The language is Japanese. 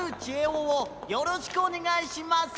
おをよろしくおねがいします。